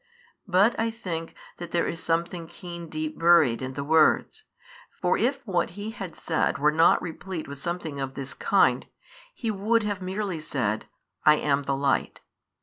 But I think, that there is something keen deep buried in the words. For if what He had said were not replete with something of this kind, He would have merely said, I am the Light.